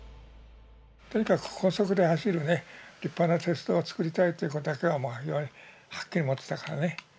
とにかく高速で走るね立派な鉄道を造りたいっていうことだけは非常にはっきり持ってたからね。